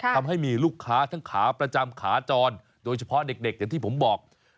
ทำให้มีลูกค้าทั้งขาประจำขาจรโดยเฉพาะเด็กอย่างที่ผมบอก